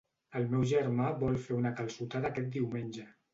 El meu germà vol fer una calçotada aquest diumenge.